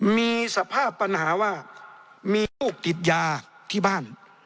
มีสภาพปัญหาว่ามีลูกติดยาที่บ้าน